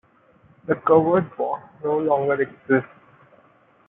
The covered walk no longer exists.